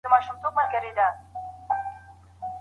مسي کاسې بې رنګه نه وي.